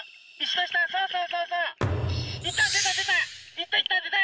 いったいった出た。